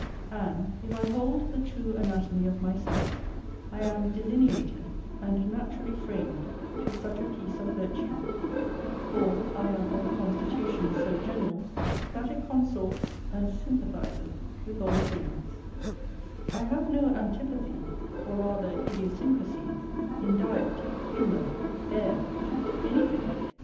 And, if I hold the true anatomy of myself, I am delineated and naturally framed to such a piece of virtue, for I am of a constitution so general that it consorts and sympathizeth with all things; I have no antipathy, or rather idiosyncrasy, in diet, humour, air, anything.